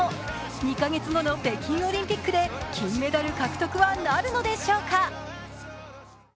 ２カ月後の北京オリンピックで金メダル獲得はなるのでしょうか。